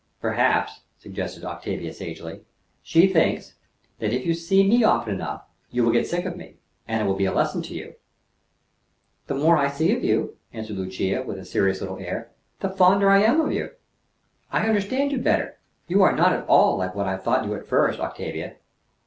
"Perhaps," suggested Octavia sagely, "she thinks, that, if you see me often enough, you will get sick of me, and it will be a lesson to you." "The more I see of you," answered Lucia with a serious little air, "the fonder I am of you. I understand you better. You are not at all like what I thought you at first, Octavia."